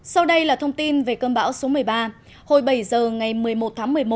sau đây là thông tin về cơn bão số một mươi ba hồi bảy giờ ngày một mươi một tháng một mươi một